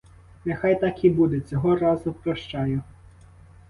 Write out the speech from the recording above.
Нехай так і буде, цього разу прощаю.